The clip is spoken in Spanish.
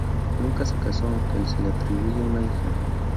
Nunca se casó, aunque se le atribuye una hija.